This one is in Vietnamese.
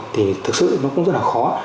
thì thực sự nó cũng rất là khó